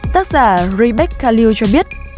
tác giả rebecca liu cho biết